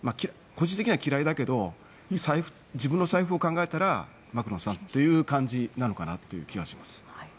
個人的には嫌いだけど自分の財布を考えたらマクロンさんという感じなのかなという気がします。